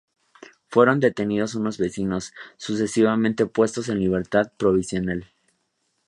Fueron detenidos unos vecinos, sucesivamente puestos en libertad provisional.